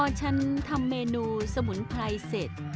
ฉันทำเมนูสมุนไพรเสร็จ